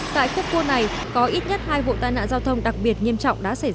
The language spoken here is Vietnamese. tại khúc cua này có ít nhất hai vụ tai nạn giao thông đặc biệt nghiêm trọng đã xảy ra